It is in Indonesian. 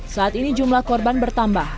saat ini jumlah korban bertambah